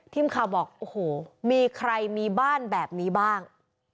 บอกโอ้โหมีใครมีบ้านแบบนี้บ้าง